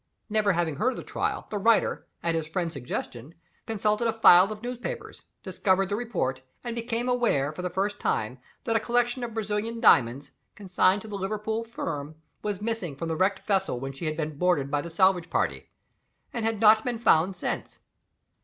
Never having heard of the trial, the writer, at his friend's suggestion, consulted a file of newspapers discovered the report and became aware, for the first time, that a collection of Brazilian diamonds, consigned to the Liverpool firm, was missing from the wrecked vessel when she had been boarded by the salvage party, and had not been found since.